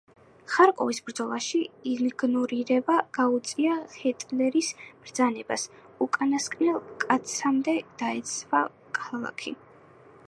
ხარკოვის ბრძოლაში იგნორირება გაუწია ჰიტლერის ბრძანებას, უკანასკნელ კაცამდე დაეცვა ქალაქი.